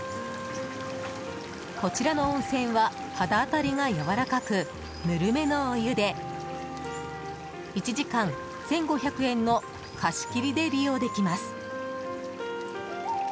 こちらの温泉は肌当たりがやわらかくぬるめのお湯で１時間１５００円の貸切で利用できます。